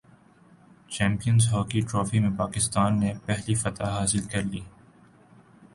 champions hockey trophy میں پاکستان نے پہلی فتح حاصل کرلی